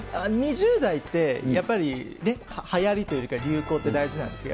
２０代って、やっぱり、流行りというか流行って大事なんですよ。